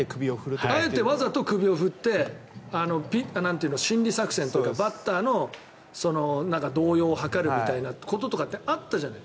あえて首を振って心理作戦というかバッターの動揺を図るみたいなこととかってあったじゃない。